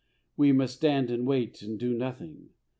We must stand and wait and do nothing.